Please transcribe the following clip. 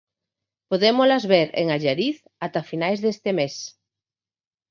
Podémolas ver en Allariz ata finais deste mes.